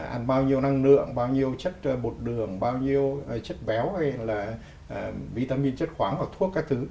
ăn bao nhiêu năng lượng bao nhiêu chất bột đường bao nhiêu chất béo hay là vitamin chất khoáng hoặc thuốc các thứ